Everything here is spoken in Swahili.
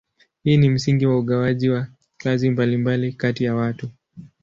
Hii ni msingi wa ugawaji wa kazi mbalimbali kati ya watu.